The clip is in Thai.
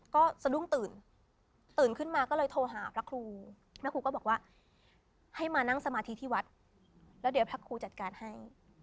ก็สะดุ้งตื่นตื่นขึ้นมาก็เลยโทรหาพระครูพระครูก็บอกว่าให้มานั่งสมาธิที่วัดแล้วเดี๋ยวพระครูจัดการให้